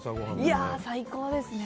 いや、最高ですね。